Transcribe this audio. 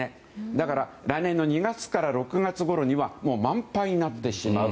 だから来年の２月から６月ごろには満杯になってしまう。